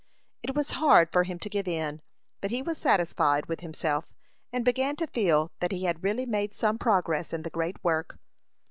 It was hard for him to give in, but he was satisfied with himself, and began to feel that he had really made some progress in the great work.